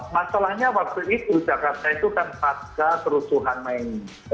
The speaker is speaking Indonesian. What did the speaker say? masalahnya waktu itu jakarta itu tempatnya kerusuhan mainin